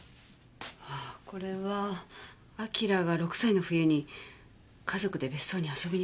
あっこれは輝が６歳の冬に家族で別荘に遊びに行った時に。